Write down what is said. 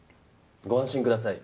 ご安心ください。